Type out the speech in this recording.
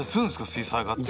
水彩画って。